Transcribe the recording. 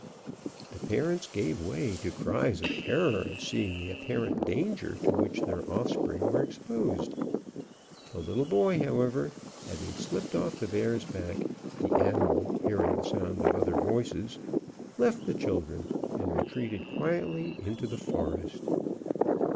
The parents gave way to cries of terror at seeing the apparent danger to which their offspring were exposed. The little boy, however, having slipped off the bear's back, the animal, hearing the sound of other voices, left the children, and retreated quietly into the forest.